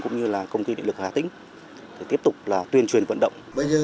cũng như công ty địa lực hà tĩnh để tiếp tục tuyên truyền vận động